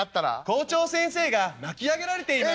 「校長先生が巻き上げられています」。